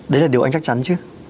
đấy là điều anh chắc chắn chứ